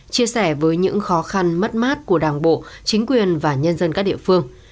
chia sẻ với những khó khăn mất mát của đảng bộ chính quyền và nhân dân các địa phương